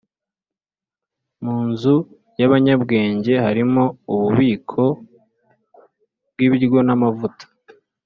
mu nzu yabanyabwenge harimo ububiko bwibiryo n'amavuta,